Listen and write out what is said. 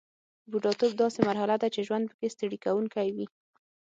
بوډاتوب داسې مرحله ده چې ژوند پکې ستړي کوونکی وي